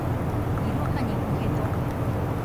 いろはにほへと